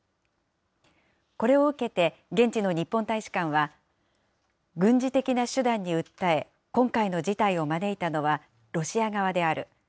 これを受けて現地の日本大使館は、軍事的な手段に訴え、今回の事態を招いたのはロシア側である。